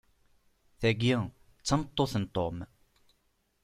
Tagi, d tameṭṭut n Tom.